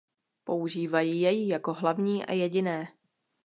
Používají jej jako hlavní a jediné.